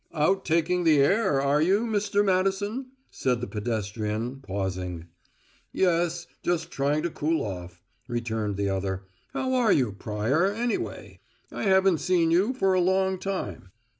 "Out taking the air, are you, Mr. Madison?" said the pedestrian, pausing. "Yes; just trying to cool off," returned the other. "How are you, Pryor, anyway? I haven't seen you for a long time."